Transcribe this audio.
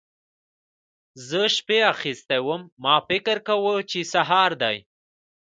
زه شپې اخيستی وم؛ ما فکر کاوو چې سهار دی.